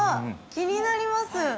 気になります。